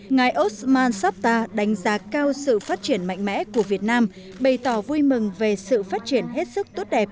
ngài osman safta đánh giá cao sự phát triển mạnh mẽ của việt nam bày tỏ vui mừng về sự phát triển hết sức tốt đẹp